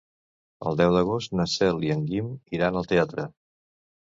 El deu d'agost na Cel i en Guim iran al teatre.